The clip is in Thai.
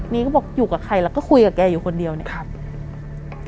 นี่ก็บอกอยู่กับใครแล้วก็คุยกับแกอยู่คนเดียวเนี่ยครับ